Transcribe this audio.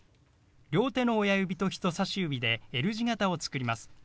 両手の親指と人さし指でＬ字型を作ります。